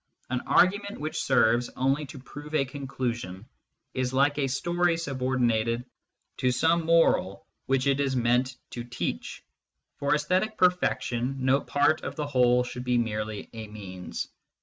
An argument which serves only to prove a conclusion is like a story subordinated to some moral which it is meant to teach : for aesthetic perfection no part of the whole should be merely a means.